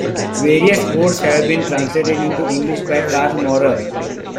Various odes have been translated into English by Karl Maurer.